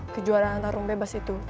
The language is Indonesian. kejuaraan antarung bebas itu